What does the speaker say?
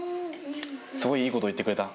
すごい、いいこと言ってくれた。